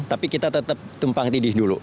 tapi kita tetap tumpang tidih dulu